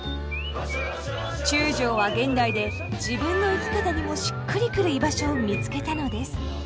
中将は現代で自分の生き方にもしっくりくる居場所を見つけたのです。